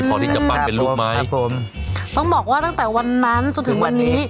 พอที่จะปั้นเป็นลูกไหมครับผมต้องบอกว่าตั้งแต่วันนั้นจนถึงวันนี้